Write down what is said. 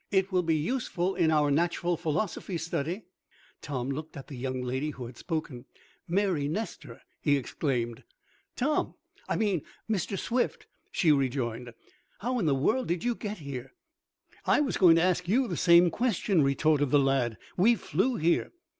It will be useful in our natural philosophy study!" Tom looked at the young lady who had spoken. "Mary Nestor!" he exclaimed. "Tom I mean Mr. Swift!" she rejoined. "How in the world did you get here?" "I was going to ask you the same question," retorted the lad. "We flew here."